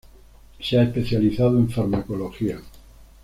Se ha especializado en Farmacología.